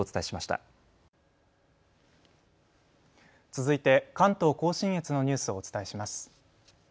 続いて関東甲信越のニュースをお伝えします。